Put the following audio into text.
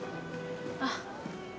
あっ。